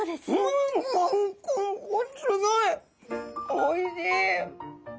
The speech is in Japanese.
おいしい。